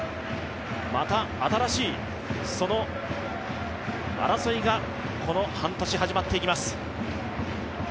また新しい争いが、この半年始まっていきます。